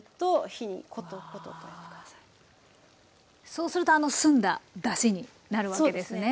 そうするとあの澄んだだしになるわけですね。